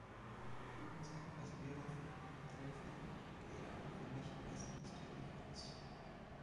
Buchen Sie eine Reservierung für Dorothy, Kayla und für mich im besten Osteria-Restaurant.